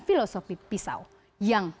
filosofi pisau yang